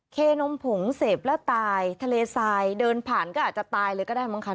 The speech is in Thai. เคนมผงเสพแล้วตายทะเลทรายเดินผ่านก็อาจจะตายเลยก็ได้มั้งคะ